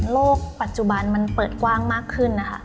ปัจจุบันมันเปิดกว้างมากขึ้นนะคะ